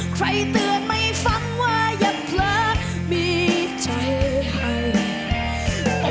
เตือนไม่ฟังว่าอย่างเผลอมีใจให้